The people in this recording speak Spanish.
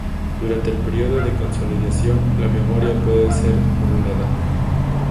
Durante el periodo de consolidación, la memoria puede ser modulada.